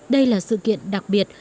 đây là sự kiện đặc biệt